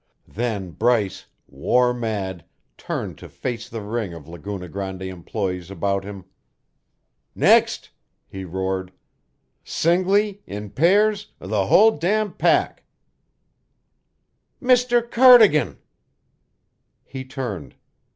Then Bryce, war mad, turned to face the ring of Laguna Grande employees about him. "Next!" he roared. "Singly, in pairs, or the whole damned pack!" "Mr. Cardigan!" He turned.